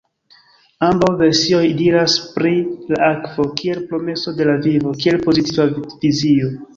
Ambaŭ versioj diras pri la akvo kiel „promeso de la vivo“ kiel pozitiva vizio.